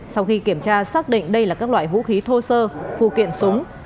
sau khi kiểm tra xác định đây là các loại vũ khí thô sơ phụ kiện súng